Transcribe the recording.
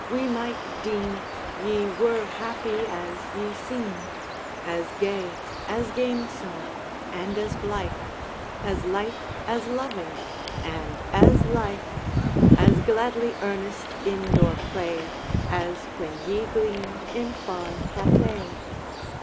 we might deem Ye were happy as ye seem As gay, as gamesome, and as blithe, As light, as loving, and as lithe, As gladly earnest in your play, As when ye gleamed in far Cathay.